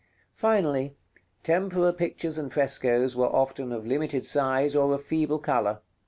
Finally, tempera pictures and frescoes were often of limited size or of feeble color.